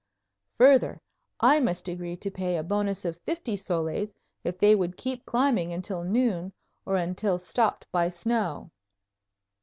Further, I must agree to pay a bonus of fifty soles if they would keep climbing until noon or until stopped by snow.